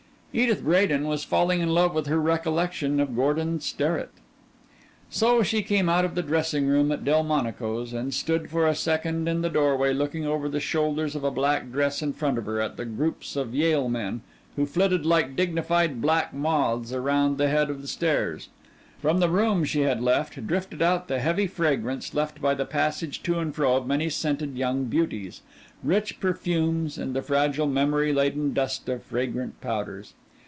Edith Bradin was falling in love with her recollection of Gordon Sterrett. So she came out of the dressing room at Delmonico's and stood for a second in the doorway looking over the shoulders of a black dress in front of her at the groups of Yale men who flitted like dignified black moths around the head of the stairs. From the room she had left drifted out the heavy fragrance left by the passage to and fro of many scented young beauties rich perfumes and the fragile memory laden dust of fragrant powders.